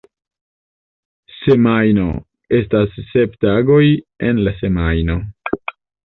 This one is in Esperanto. Semajno: estas sep tagoj en la semajno.